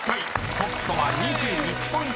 トップとは２１ポイント差です］